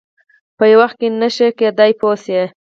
په یو وخت کې نه شي کېدای پوه شوې!.